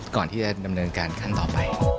ก่อนที่จะดำเนินการขั้นต่อไป